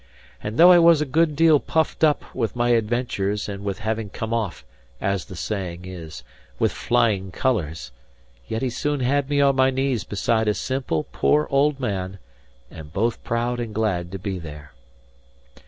And though I was a good deal puffed up with my adventures and with having come off, as the saying is, with flying colours; yet he soon had me on my knees beside a simple, poor old man, and both proud and glad to be there.